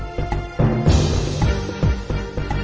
กินโทษส่องแล้วอย่างนี้ก็ได้